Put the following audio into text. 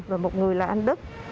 và một người là anh đức